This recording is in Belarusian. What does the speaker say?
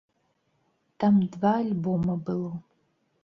Там два альбома было.